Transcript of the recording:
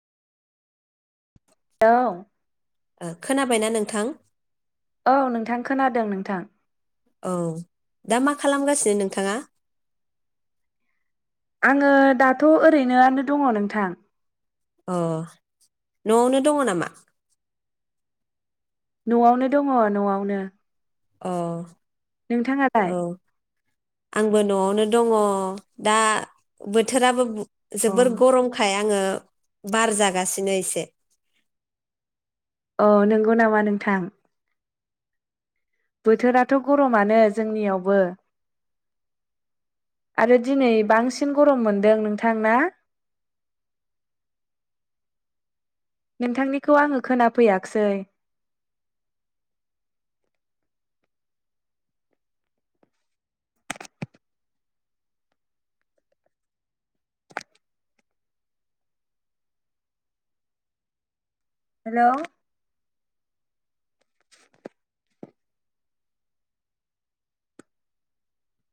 [unintelligible] खोनाबायना नोंथां? औ नोंथां खोनादों नोंथां। औ दा मा खालामगासिनो नोंथाङा? आङो दाथ' ओरैनोनो दङ नोंथां। अ न'आवनो दङ नामा? न'आवनो दङ न'आवनो। अ। नोंथाङालाय? औ आंबो न'आवनो दङ दा बोथोराबो जोबोर गरमखाय आङो बार जागासिनो एसे अ नंगौ नामा नोंथां। बोथोराथ' गरमानो जोंनियावबो आरो दिनै बांसिन गरम मोनदों नोंथांना। नोंथांनिखौ आङो खोनाफैयाखिसै। हेल'।